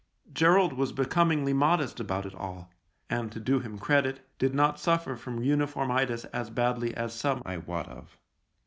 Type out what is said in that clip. Gerald was becomingly modest about it all, and, to do him credit, did not suffer from uniformitis as badly as some I wot of.